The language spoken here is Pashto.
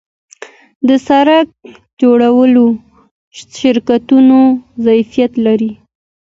د سرک جوړولو شرکتونه ظرفیت لري؟